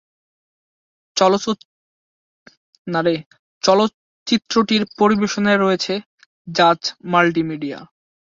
চলচ্চিত্রটির পরিবেশনায় রয়েছে জাজ মাল্টিমিডিয়া।